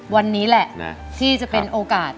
วันนี้แหละที่จะเป็นโอกาส